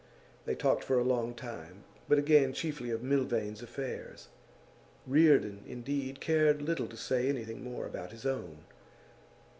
They talked for a long time, but again chiefly of Milvain's affairs. Reardon, indeed, cared little to say anything more about his own.